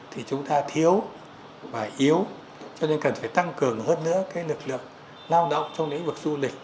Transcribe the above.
thì chúng ta thiếu và yếu cho nên cần phải tăng cường hơn nữa lực lượng lao động trong lĩnh vực du lịch